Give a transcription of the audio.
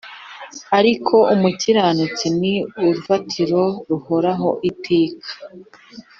Ariko umukiranutsi ni urufatiro ruhoraho iteka